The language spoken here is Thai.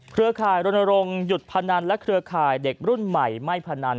เครือข่ายรณรงค์หยุดพนันและเครือข่ายเด็กรุ่นใหม่ไม่พนัน